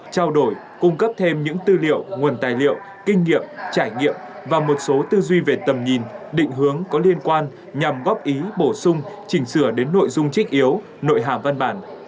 trao đổi cung cấp thêm những tư liệu nguồn tài liệu kinh nghiệm trải nghiệm và một số tư duy về tầm nhìn định hướng có liên quan nhằm góp ý bổ sung chỉnh sửa đến nội dung trích yếu nội hàm văn bản